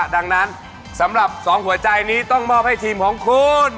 ดังนั้นสำหรับ๒หัวใจนี้ต้องมอบให้ทีมของคุณ